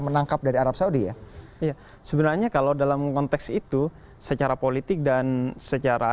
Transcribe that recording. menangkap dari arab saudi ya sebenarnya kalau dalam konteks itu secara politik dan secara